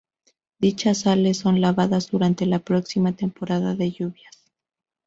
Dichas sales son lavadas durante la próxima temporada de lluvias.